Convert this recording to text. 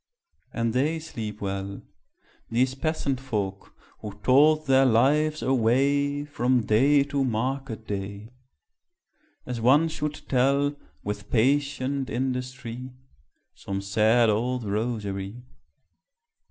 And they sleep well These peasant folk, who told their lives away, From day to market day, As one should tell, With patient industry, Some sad old rosary.